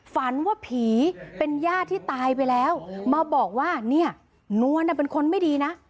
ฝันว่าผีเป็นญาติที่ตายไปแล้วมาบอกว่าเนี่ยนวลน่ะเป็นคนไม่ดีนะ